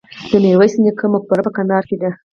د میرویس نیکه مقبره په کندهار کې ده